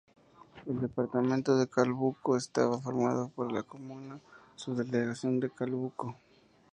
El Departamento de Calbuco estaba formado por la comuna-subdelegación de calbuco.